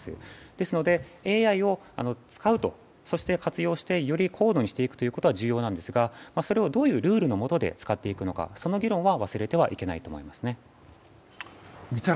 ですのでＡＩを使うと、そして活用してより高度にしていくのは重要ですが、それをどういうルールの下で使っていくのか、その議論は忘れてはいけないと思いますね。